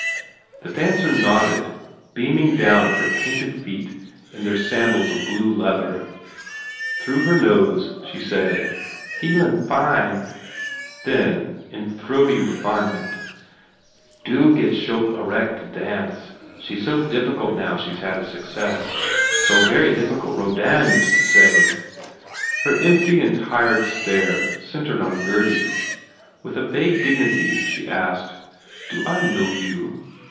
The dancer nodded, beaming down at her painted feet in their sandals of blue leather. Through her nose she said, "Feelin fine," then in throaty refinement, "Do get Choute Aurec to dance. She s so difficult now she s had a success. So very difficult Rodin used to say Her empty and tired stare centred on Gurdy. With a vague dignity she asked, "Do I know you?"